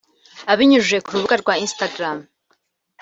Abinyujije ku rubuga rwa Instagram